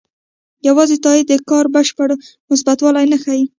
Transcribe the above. یوازې تایید د کار بشپړ مثبتوالی نه ښيي.